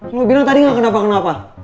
lo bilang tadi nggak kenapa kenapa